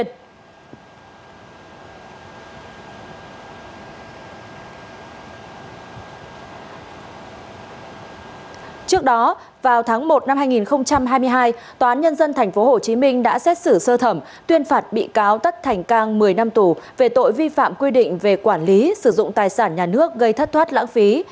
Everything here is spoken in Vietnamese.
trước đó vào tháng một năm hai nghìn hai mươi hai tòa án nhân dân tp hcm đã xét xử sơ thẩm tuyên phạt bị cáo tất thành cang một mươi năm tù về tội vi phạm quy định về quản lý sử dụng tài sản nhà nước gây thất thoát lãng phí